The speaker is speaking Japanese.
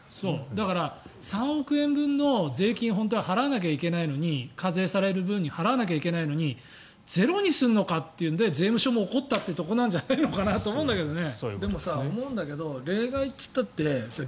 だから、３億円分の税金を本当は払わなきゃいけないのに課税される分に払わなきゃいけないのにゼロにするのかというので税務署も怒ったということなんじゃないかと思うんだけどね。